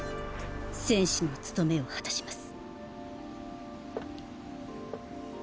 戦士の務めを果たします。